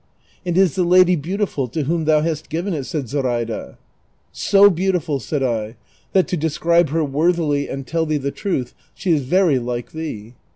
"And is the lady beautiful to whom thou hast given it?" said Zoraida. "So beautiful," said I, "that, to describe her worthily and tell thee the truth, shQ is very like thee."